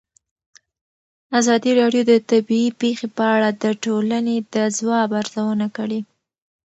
ازادي راډیو د طبیعي پېښې په اړه د ټولنې د ځواب ارزونه کړې.